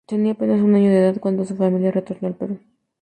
Tenía apenas un año de edad cuando su familia retornó al Perú.